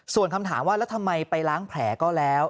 ส่วนคำถามว่าแล้วทำไมไปล้างแผลก็แล้ว